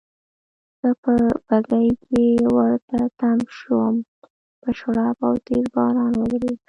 زه په بګۍ کې ورته تم شوم، په شړپ او تېز باران وریده.